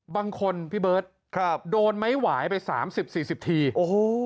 บางคนพี่เบิร์ตครับโดนไม้หวายไปสามสิบสี่สิบทีโอ้โห